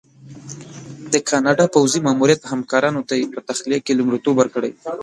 د کاناډا پوځي ماموریت همکارانو ته یې په تخلیه کې لومړیتوب ورکړی.